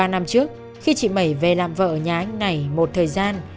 ba năm trước khi chị mẩy về làm vợ ở nhà anh này một thời gian